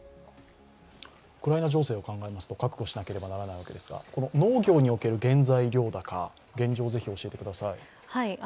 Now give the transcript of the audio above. ウクライナ情勢を考えますと確保しなければならないわけですが農業における原材料高の現状を教えてください。